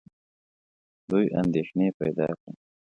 دوی اندېښنې پیدا کړې.